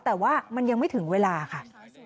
แต่ว่ามันยังไม่ถึงเวลาค่ะ